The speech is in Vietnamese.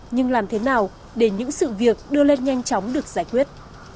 nhưng làm thế nào để những sự việc đưa lên nhanh chóng được giải quyết